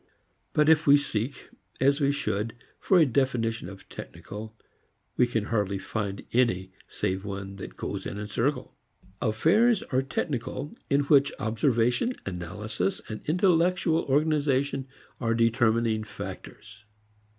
But if we seek, as we should, for a definition of "technical," we can hardly find any save one that goes in a circle: Affairs are technical in which observation, analysis and intellectual organization are determining factors.